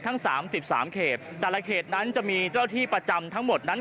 ทั้งสามสิบสามเขตแต่ละเขตนั้นจะมีเจ้าที่ประจำทั้งหมดนั้น